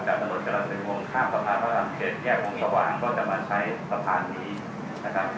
จากถนนกราศนียวงข้ามสะพานก็จะมาใช้สะพานนี้นะครับ